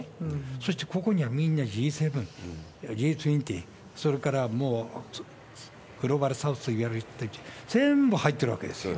そして、ここにはみんなＧ７、Ｇ２０、それからもうグローバルサウスといわれる人たち、全部入ってるわけですよ。